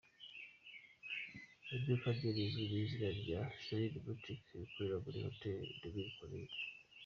Iduka rye rizwi ku izina rya "Zaidi Boutique" rikorera muri Hotel des Mille collines.